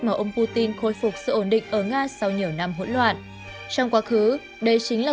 mà ông putin khôi phục sự ổn định ở nga sau nhiều năm hỗn loạn trong quá khứ đây chính là